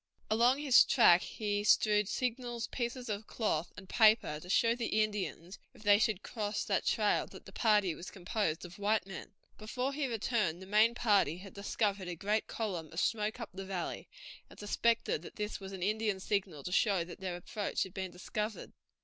Along his track he strewed signals, pieces of cloth and paper, to show the Indians, if they should cross that trail, that the party was composed of white men. Before he returned the main party had discovered a great column of smoke up the valley, and suspected that this was an Indian signal to show that their approach had been discovered.